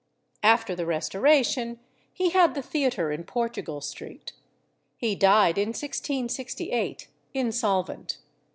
After the Restoration he had the theatre in Portugal Street. He died in 1668, insolvent.